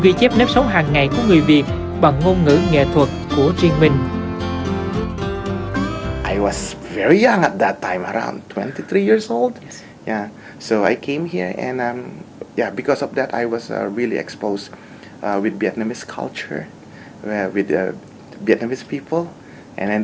và các biển báo này cũng được quy định trong luật giao thông